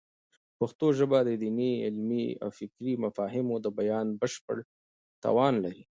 پښتو ژبه د دیني، علمي او فکري مفاهیمو د بیان بشپړ توان لري.